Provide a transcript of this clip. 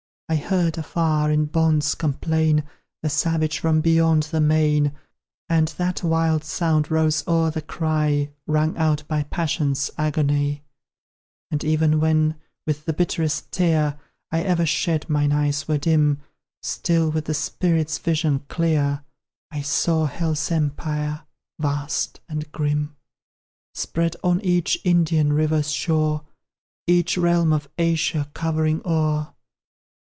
I heard, afar, in bonds complain The savage from beyond the main; And that wild sound rose o'er the cry Wrung out by passion's agony; And even when, with the bitterest tear I ever shed, mine eyes were dim, Still, with the spirit's vision clear, I saw Hell's empire, vast and grim, Spread on each Indian river's shore, Each realm of Asia covering o'er.